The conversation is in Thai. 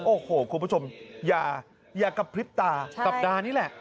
โอ้โหคุณผู้ชมอยากกระพริบตาใช่เดือนคุณสัปดาห์นี้แหละ